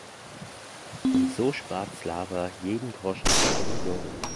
Und so spart Slava jeden Groschen für ihren Jungen.